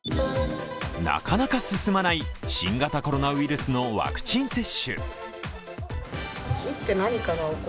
なかなか進まない新型コロナウイルスのワクチン接種。